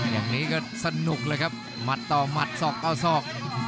อย่างนี้ก็สนุกเลยครับหมัดต่อหมัดศอกเอาศอก